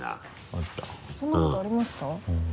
そんなことありました？